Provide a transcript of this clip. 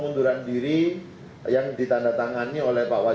tunggu sedikit doang nih